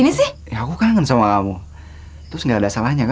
bisa runyam semuanya